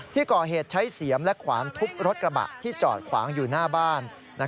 ที่ก่อเหตุใช้เสียมและขวานทุบรถกระบะที่จอดขวางอยู่หน้าบ้าน